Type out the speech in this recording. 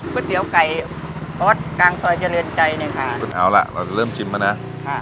ก๋วยเตี๋ยวไก่ปอดกลางซอยเจริญใจเนี้ยค่ะเอาล่ะเราจะเริ่มชิมมาน่ะค่ะ